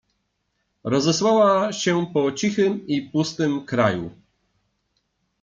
rozesłała się po cichym i pustym kraju.